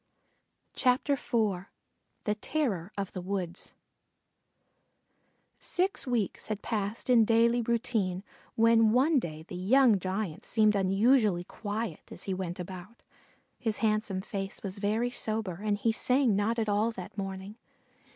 IV THE TERROR OF THE WOODS Six weeks had passed in daily routine when one day the young giant seemed unusually quiet as he went about. His handsome face was very sober and he sang not at all that morning.